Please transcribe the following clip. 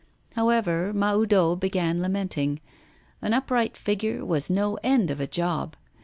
However, Mahoudeau began lamenting; an upright figure was no end of a job.